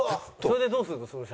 それでどうするの？